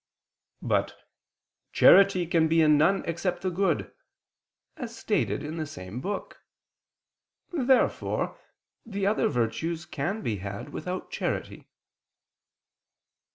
But "charity can be in none except the good," as stated in the same book. Therefore the other virtues can be had without charity.